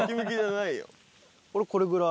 俺これぐらい。